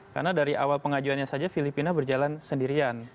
karena dari awal pengajuannya saja filipina berjalan sendirian